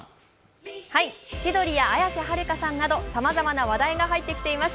千鳥や綾瀬はるかさんなどさまざまな話題が入ってきています。